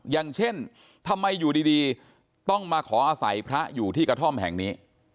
อย่างเช่นทำไมอยู่ดีต้องมาขออาศัยพระอยู่ที่กระท่อมแห่งนี้